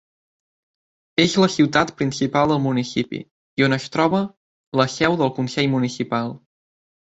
És la ciutat principal del municipi i on es troba la seu del consell municipal.